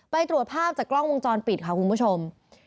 ไปตรวจภาพจากกล้องวงจรปิดค่ะคุณผู้ชม